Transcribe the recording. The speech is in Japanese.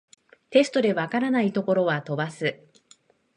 テストで解らないところは飛ばす